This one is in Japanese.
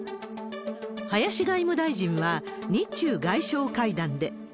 林外務大臣は日中外相会談で。